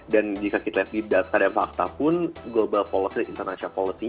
dan jika kita lihat di data dan fakta pun global policy dan international policy nya